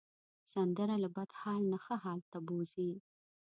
سندره له بد حال نه ښه حال ته بوځي